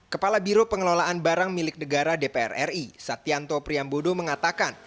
kepala biro pengelolaan barang milik negara dpr ri satyanto priyambodo mengatakan